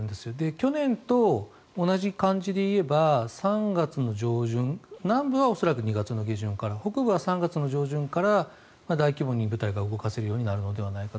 去年と同じ感じでいえば３月の上旬南部は恐らく２月の下旬から北部は３月の上旬から大規模に部隊が動かせるようになるのではないかと。